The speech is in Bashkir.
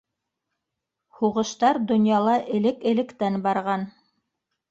Һуғыштар донъяла элек-электән барған.